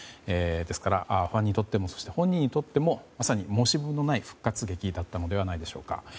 ですから、ファンにとっても本人にとってもまさに申し分のない復活劇だったのではないでしょうか。